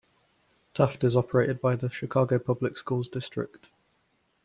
Taft is operated by the Chicago Public Schools district.